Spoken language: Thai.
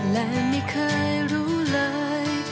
และไม่เคยรู้เลย